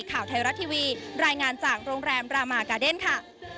ข่าวไทยรัฐทีวีรายงานจากโรงแรมรามากาเดนค่ะ